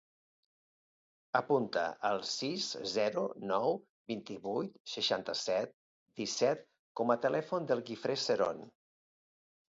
Apunta el sis, zero, nou, vint-i-vuit, seixanta-set, disset com a telèfon del Guifré Seron.